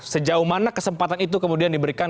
sejauh mana kesempatan itu kemudian diberikan